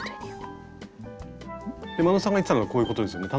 眞野さんが言ってたのはこういうことですよね。